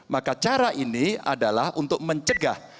maka cara ini adalah untuk mencegah